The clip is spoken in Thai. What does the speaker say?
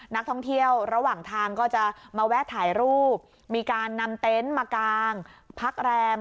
นักท่องเที่ยวระหว่างทางก็จะมาแวะถ่ายรูปมีการนำเต็นต์มากางพักแรม